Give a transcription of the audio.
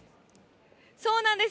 そうなんです。